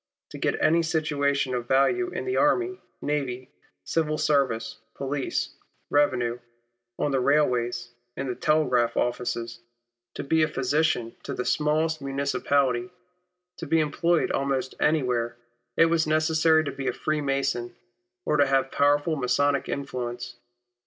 To get any situation of value in the army, navy, civil service, police, revenue, on the railways, in the telegraph offices, to be a physician to the smallest municipality, to be employed almost anywhere, it was necessary to be a Freemason, or to have powerful Masonic influence.